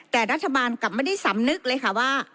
แต่รัฐบาลกลับไม่ได้สำนึกเลยค่ะว่า